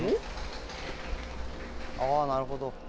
あぁなるほど。